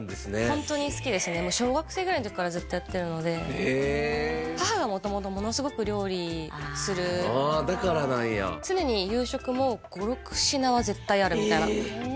ホントに好きですね小学生ぐらいの時からずっとやってるのでへえ母が元々ものすごく料理するああだからなんや常に夕食も５６品は絶対あるみたいなえ！